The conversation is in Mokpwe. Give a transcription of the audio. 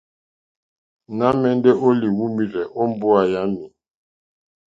Nà ma ɛndɛ o lùumirzɛ̀ o mbowa yami.